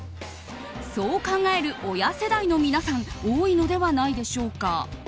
そう考える親世代の皆さん多いのではないでしょうか。